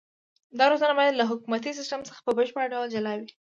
دا روزنه باید له حکومتي سیستم څخه په بشپړ ډول جلا وي.